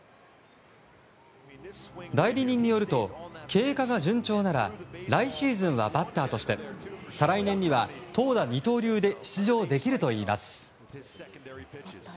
代理人によると、経過が順調なら来シーズンはバッターとして再来年には投打二刀流で出場できるといいます。